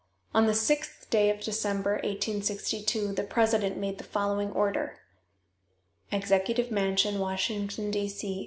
On the sixth day of December, 1862, the president made the following order: "EXECUTIVE MANSION, WASHINGTON, D. C.